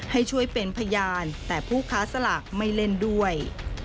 ให้ช่วยเป็นพยานแต่ผู้ค้าสลากไม่เล่นด้วย